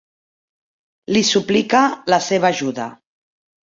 Li suplica la seva ajuda.